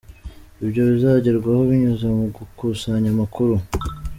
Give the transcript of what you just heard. Ibyo bizagerwaho binyuze mu gukusanya amakuru.